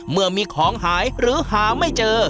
เมื่อมีของหายหรือหาไม่เจอ